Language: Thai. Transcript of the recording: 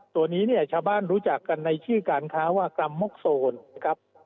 ตัวนี้เนี่ยชาวบ้านรู้จักกันในชื่อการค้าว่ากรรมมกโซนนะครับ